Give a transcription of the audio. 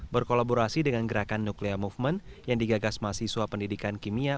berkolaborasi dengan gerakan nuklia movement yang digagas mahasiswa pendidikan kimia